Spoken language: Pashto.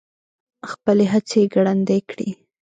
خپلې هڅې ګړندۍ کړي.